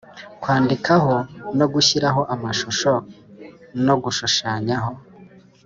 Kwandikaho nogushyiraho amashusho no gushushanyaho